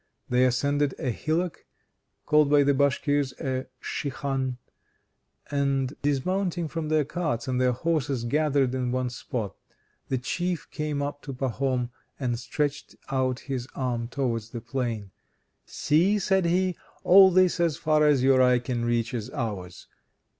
They ascended a hillock (called by the Bashkirs a shikhan) and dismounting from their carts and their horses, gathered in one spot. The Chief came up to Pahom and stretched out his arm towards the plain: "See," said he, "all this, as far as your eye can reach, is ours.